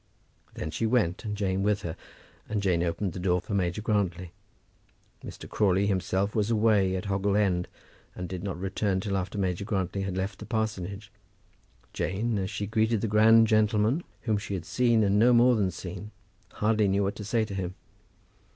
Then she went, and Jane with her, and Jane opened the door for Major Grantly. Mr. Crawley himself was away, at Hoggle End, and did not return till after Major Grantly had left the parsonage. Jane, as she greeted the grand gentleman, whom she had seen and no more than seen, hardly knew what to say to him.